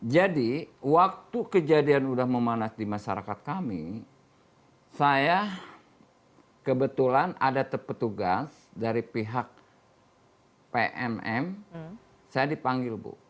jadi waktu kejadian sudah memanas di masyarakat kami saya kebetulan ada petugas dari pihak pnm saya dipanggil bu